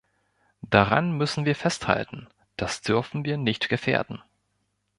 Daran müssen wir festhalten, das dürfen wir nicht gefährden.